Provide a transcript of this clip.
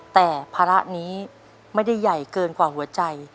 แต่ภาระนี้ไม่ได้ใหญ่เกินกว่าหัวใจ